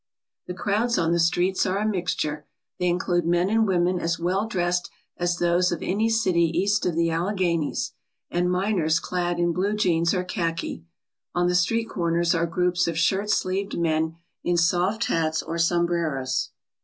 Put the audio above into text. The crowds on the streets are a mixture. They in clude men and women as well dressed as those of any city east of the Alleghanies and miners clad in blue jeans or khaki. On the street corners are groups of shirt sleeved men in soft hats or sombreros.